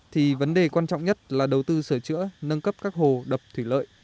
thì vấn đề quan trọng nhất là đầu tư sửa chữa nâng cấp các hồ đập thủy lợi